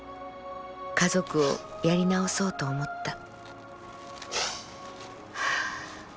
家族をやり直そうと思った」。